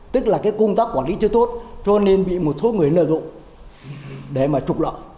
tức là cái công tác quản lý chưa tốt cho nên bị một số người nợ dụng để mà trục lợi